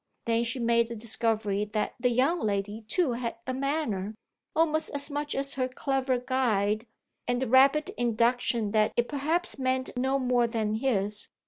Then she made the discovery that the young lady too had a manner, almost as much as her clever guide, and the rapid induction that it perhaps meant no more than his.